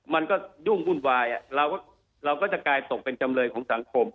มันก็ยุ่งวุ่นวายเราก็จะกลายตกเป็นจำเลยของสังคม